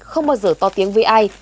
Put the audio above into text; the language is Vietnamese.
không bao giờ to tiếng với ai